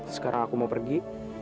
sekarang aku mau pergi